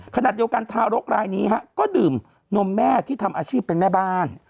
ขณะเดียวกันทารกรายนี้ก็ดื่มนมแม่ที่ทำอาชีพเป็นแม่บ้าน